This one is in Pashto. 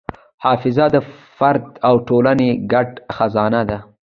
حافظه د فرد او ټولنې ګډ خزانه ده.